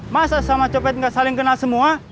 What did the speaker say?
masa sama copet nggak saling kenal semua